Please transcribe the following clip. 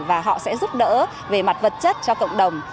và họ sẽ giúp đỡ về mặt vật chất cho cộng đồng